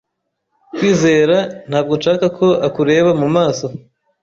kwizera ntabwo nshakako akureba mumaso